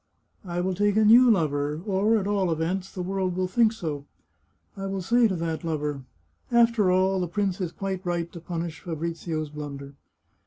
" I will take a new lover, or, at all events, the world will think so. I will say to that lover :* After all, the prince is quite right to punish Fabrizio's blunder.